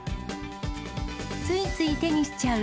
ついつい手にしちゃう、